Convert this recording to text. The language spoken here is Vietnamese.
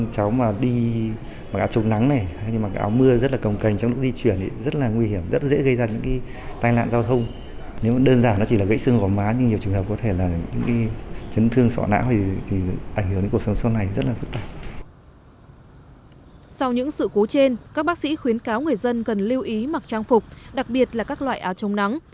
sau những sự cố trên các bác sĩ khuyến cáo người dân cần lưu ý mặc trang phục đặc biệt là các loại áo chống nắng